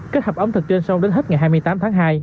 kết hợp ẩm thực trên sông đến hết ngày hai mươi tám tháng hai